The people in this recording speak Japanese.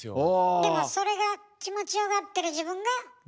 でもそれが気持ちよがってる自分が。